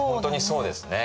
そうですね。